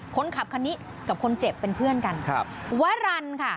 คนขับคันนี้กับคนเจ็บเป็นเพื่อนกันครับวรรณค่ะ